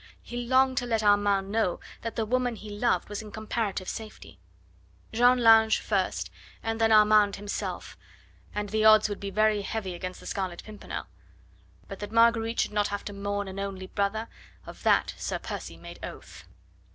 He longed to let Armand know that the woman he loved was in comparative safety. Jeanne Lange first, and then Armand himself; and the odds would be very heavy against the Scarlet Pimpernel! But that Marguerite should not have to mourn an only brother, of that Sir Percy made oath.